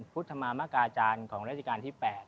พุทธมามกาจารย์ของราชการที่๘